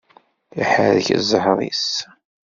Iḥerrek ẓẓher-is.